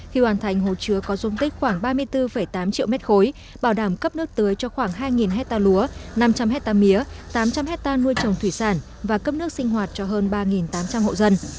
khi hoàn thành hồ chứa có dung tích khoảng ba mươi bốn tám triệu mét khối bảo đảm cấp nước tưới cho khoảng hai hectare lúa năm trăm linh hectare mía tám trăm linh hectare nuôi trồng thủy sản và cấp nước sinh hoạt cho hơn ba tám trăm linh hộ dân